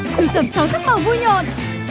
sưu tập sáu thức màu vui nhộn